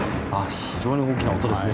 非常に大きな音ですね。